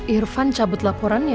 irfan cabut laporannya